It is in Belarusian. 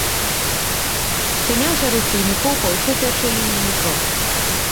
Спыняўся рух цягнікоў па ўсёй першай лініі метро.